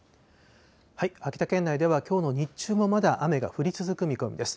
秋田県内ではきょうの日中もまだ雨が降り続く見込みです。